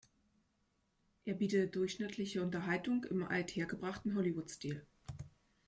Er biete „durchschnittliche Unterhaltung im althergebrachten Hollywood-Stil“.